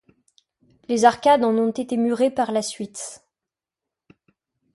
Les arcades en ont été murées par la suite.